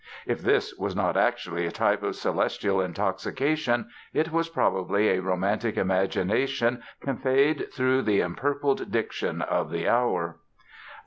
If this was not actually a type of celestial intoxication it was certainly a romantic imagination conveyed through the empurpled diction of the hour!